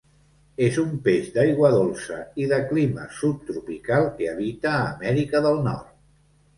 És un peix d'aigua dolça i de clima subtropical que habita a Amèrica del Nord.